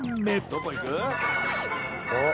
「どこいく？」